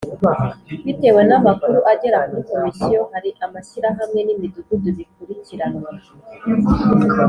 Bitewe n amakuru agera kuri Komisiyo hari amashyirahamwe n imidugudu bikurikiranwa